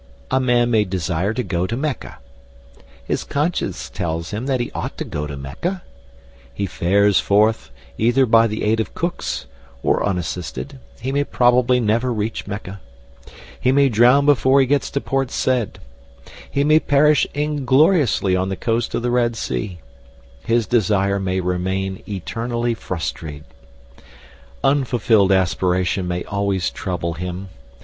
A man may desire to go to Mecca. His conscience tells him that he ought to go to Mecca. He fares forth, either by the aid of Cook's, or unassisted; he may probably never reach Mecca; he may drown before he gets to Port Said; he may perish ingloriously on the coast of the Red Sea; his desire may remain eternally frustrate. Unfulfilled aspiration may always trouble him.